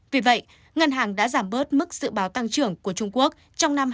vì vậy ngân hàng đã giảm bớt mức dự báo tăng trưởng của trung quốc trong năm hai nghìn hai mươi